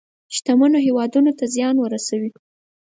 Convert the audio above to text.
شتمن هېوادونه زيان ورسوي.